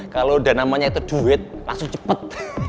kalau udah namanya itu duit langsung cepat